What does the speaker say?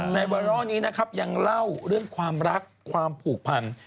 ไวรอลนี้นะครับยังเล่าเรื่องความรักความผูกพัน